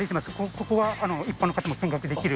ここは一般の方も見学できる、